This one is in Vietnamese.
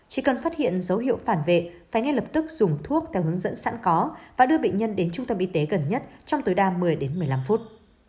chỉ cần phát hiện dấu hiệu phản vệ phải ngay lập tức dùng thuốc theo hướng dẫn sẵn có và đưa bệnh nhân đến trung tâm y tế gần nhất trong tối đa một mươi đến một mươi năm phút